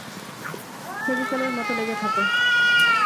ফেভিকলের মতো লেগে থাকো।